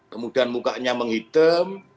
kemudian mukanya menghidem